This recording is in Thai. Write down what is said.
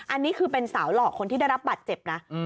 อันนี้คือเป็นสาวหลอกคนที่ได้รับบัตรเจ็บนะ